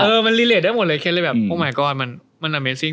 เออมันได้หมดเลยเข็นเลยแบบโอ้มายก็อดมันมัน